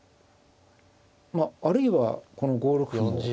まああるいはこの５六歩も。